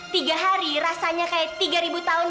tiga hari rasanya kayak tiga ribu tahun